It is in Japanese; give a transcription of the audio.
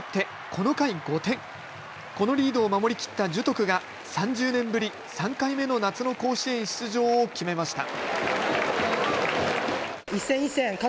このリードを守りきった樹徳が３０年ぶり、３回目の夏の甲子園出場を決めました。